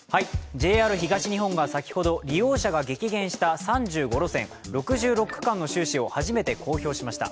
ＪＲ東日本が先ほど利用者が激減した３５路線６６区間の収支を初めて公表しました。